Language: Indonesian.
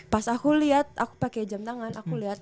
pas aku liat aku pake jam tangan aku liat